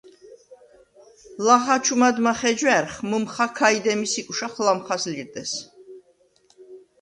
ლახა ჩუ მადმა ხეჯვა̈რხ, მჷმხა ქაჲ დემის იკვშახ ლამხას ლირდეს.